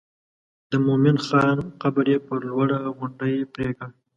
د مومن خان قبر یې پر لوړه غونډۍ پرېکړ.